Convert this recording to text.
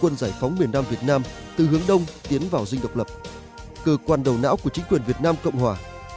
quân giải phóng miền nam việt nam từ hướng đông tiến vào dinh độc lập cơ quan đầu não của chính quyền việt nam cộng hòa